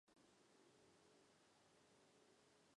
妳为什么要哭